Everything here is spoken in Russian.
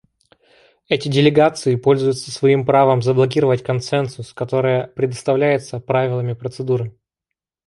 Эти делегации пользуются своим правом заблокировать консенсус, которое предоставляется Правилами процедуры.